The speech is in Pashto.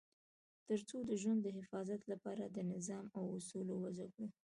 تر څو د ژوند د حفاظت لپاره نظام او اصول وضع کړو.